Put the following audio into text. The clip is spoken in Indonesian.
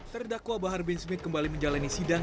terdakwa bahar bin smith kembali menjalani sidang